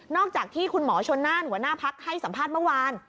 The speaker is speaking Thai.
อกจากที่คุณหมอชนน่านหัวหน้าพักให้สัมภาษณ์เมื่อวาน